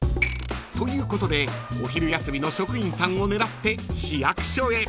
［ということでお昼休みの職員さんを狙って市役所へ］